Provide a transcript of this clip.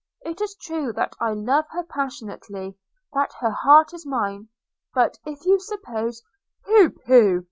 It is true that I love her passionately, that her heart is mine; but if you suppose –' 'Pooh, pooh!